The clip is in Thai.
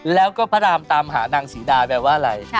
แล้วก็พระรามตามหานางศรีดาแปลว่าอะไร